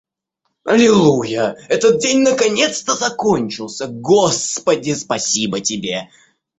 Аллилуйя, этот день наконец-то закончился! Господи, спасибо тебе!